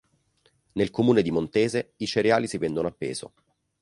Nel comune di Montese i cereali si vendono a peso.